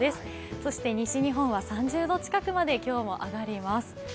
そして西日本は３０度近くまで今日も上がります。